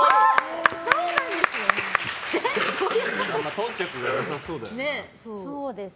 頓着がなさそうだよね。